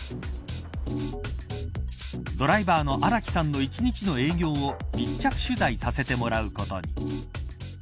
ドライバーの荒木さんの一日の営業を密着取材させてもらうことに。